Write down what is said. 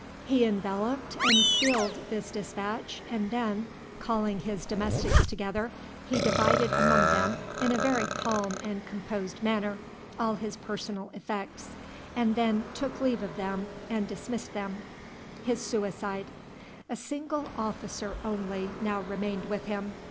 He enveloped and sealed this dispatch, and then, calling his domestics together, he divided among them, in a very calm and composed manner, all his personal effects, and then took leave of them and dismissed them. A single officer only now remained with him.